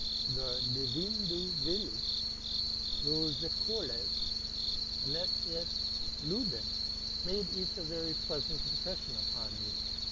'' The Devin du Village,'' '' Rose et Colas,"' '* Annette et Lubin,'' made each a very pleasant impression upon me.